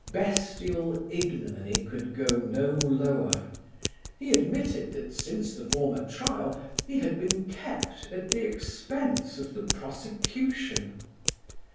Bestial ignominy could go no lower; he admitted that since the former trial he had been kept at the expense of the prosecution.